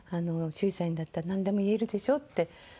「シュウジさんにだったらなんでも言えるでしょ」って。